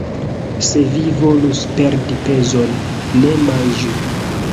Se vi volus perdi pezon, ne manĝu!